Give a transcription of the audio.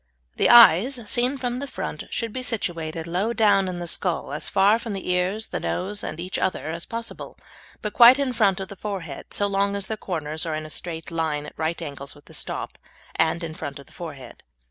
The eyes, seen from the front, should be situated low down in the skull, as far from the ears, the nose, and each other as possible, but quite in front of the forehead, so long as their corners are in a straight line at right angles with the stop, and in front of the forehead.